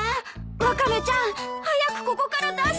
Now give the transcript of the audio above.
ワカメちゃん早くここから出して！